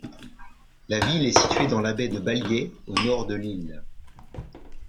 La ville est située dans la baie de Balgai au nord de l'île.